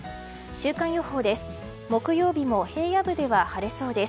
週間予報です。